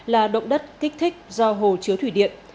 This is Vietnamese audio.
là động đất kích thích do hồ chứa thủy điện